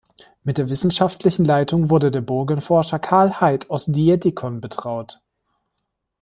Mit der wissenschaftlichen Leitung wurde der Burgenforscher Karl Heid aus Dietikon betraut.